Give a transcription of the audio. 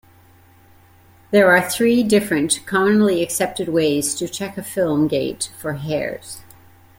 There are three different commonly accepted ways to check a film gate for hairs.